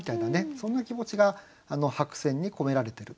そんな気持ちが白線に込められていると。